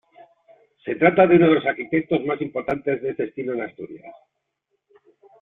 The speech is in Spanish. Se trata de uno de los arquitectos más importantes de este estilo en Asturias.